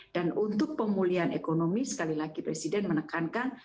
dan untuk pemulihan ekonomi sekali lagi presiden menekankan